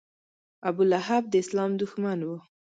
ابولهب د اسلام دښمن و.